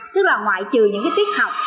tức là ngoại trừ những tiết học